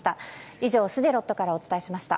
以上、スデロットからお伝えしました。